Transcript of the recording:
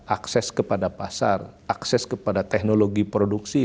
akses kepada pasar akses kepada teknologi produksi